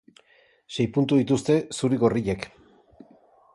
Sei puntu dituzte zurigorriek.